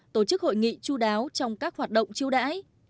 tổ chức hội nghị chú đáo trong các hoạt động chiêu đãi